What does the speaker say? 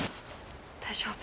大丈夫。